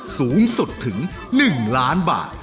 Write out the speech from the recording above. สูงสุดถึง๑ล้านบาท